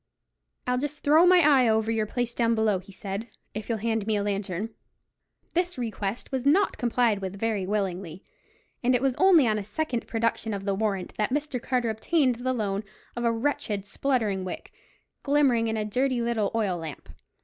"I'll just throw my eye over your place down below," he said, "if you'll hand me a lantern." This request was not complied with very willingly; and it was only on a second production of the warrant that Mr. Carter obtained the loan of a wretched spluttering wick, glimmering in a dirty little oil lamp.